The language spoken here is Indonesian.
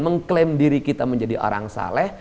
mengklaim diri kita menjadi orang saleh